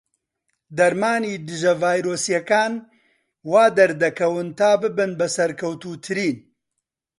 دەرمانی دژە ڤایرۆسیەکان وادەردەکەون تا ببن بە سەرکەوتووترین.